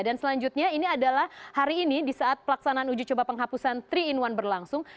dan selanjutnya ini adalah hari ini di saat pelaksanaan uji coba penghapusan tiga in satu berlangsung